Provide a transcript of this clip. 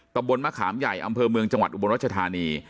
ตำบลมะขามใหญ่อำเภอเมืองจังหวัดอุบลรัชธานี